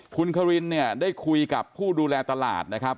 คุณครินเนี่ยได้คุยกับผู้ดูแลตลาดนะครับ